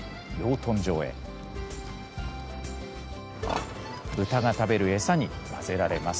豚が食べる餌に混ぜられます。